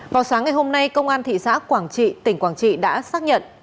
vào sáng ngày hôm nay công an thị xã quảng trị tỉnh quảng trị đã xác nhận